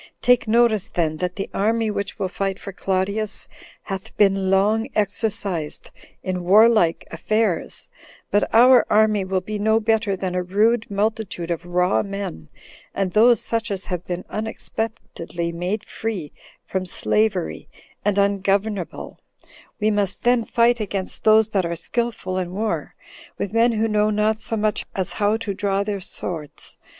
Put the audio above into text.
Take notice, then, that the army which will fight for Claudius hath been long exercised in warlike affairs; but our army will be no better than a rude multitude of raw men, and those such as have been unexpectedly made free from slavery, and ungovernable; we must then fight against those that are skillful in war, with men who know not so much as how to draw their swords.